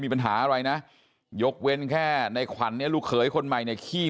ปัญหาอะไรนะยกเว้นแค่ในขวัญเนี่ยลูกเขยคนใหม่เนี่ยขี้